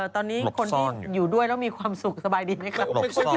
ตอนนี้คนที่อยู่ด้วยแล้วมีความสุขสบายดีไหมคะ